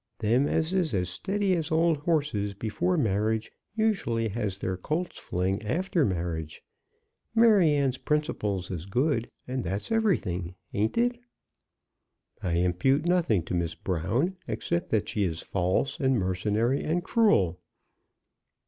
Them as is as steady as old horses before marriage usually has their colt's fling after marriage. Maryanne's principles is good, and that's everything; ain't it?" "I impute nothing to Miss Brown, except that she is false, and mercenary, and cruel."